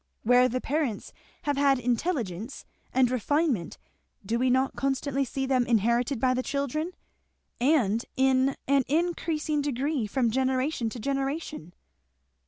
Where the parents have had intelligence and refinement do we not constantly see them inherited by the children? and in an increasing degree from generation to generation?"